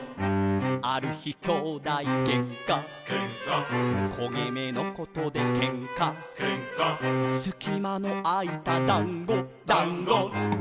「ある日兄弟げんか」「けんか」「こげ目のことでけんか」「けんか」「すきまのあいただんご」「だんご」